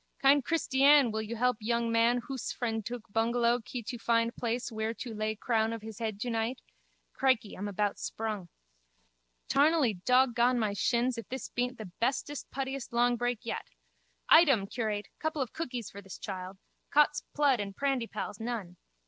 Kind Kristyann wil yu help yung man hoose frend tuk bungellow kee tu find plais whear tu lay crown of his hed 2 night. Crickey, I'm about sprung. Tarnally dog gone my shins if this beent the bestest puttiest longbreak yet. Item, curate, couple of cookies for this child. Cot's plood and prandypalls, none!